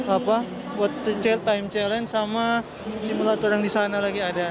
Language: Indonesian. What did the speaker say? apa buat to chair time challenge sama simulator yang di sana lagi ada